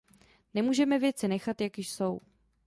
Nemůžeme věci nechat, jak jsou.